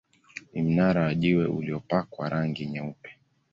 Ni mnara wa jiwe uliopakwa rangi nyeupe.